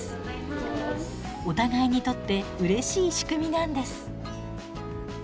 お互いにとってうれしい仕組みなんです。